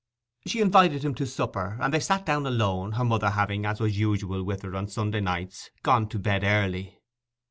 She invited him to supper, and they sat down alone, her mother having, as was usual with her on Sunday nights, gone to bed early.